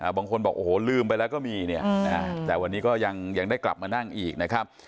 บางคนบอกโอ้โหลืมไปแล้วก็มีเนี่ยแต่วันนี้ก็ยังได้กลับมานั่งอีกนะครับ